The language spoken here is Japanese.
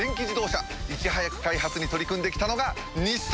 いち早く開発に取り組んで来たのが日産！